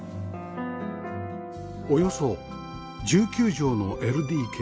およそ１９畳の ＬＤＫ